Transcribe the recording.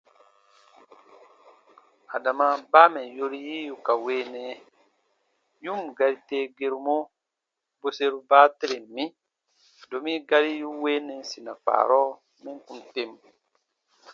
Adama baa mɛ̀ yori yi yu ka weenɛ, yu ǹ gari tee gerumɔ bweseru baateren mi, domi gari yu weenɛ sina kpaarɔ mɛm kùn tem.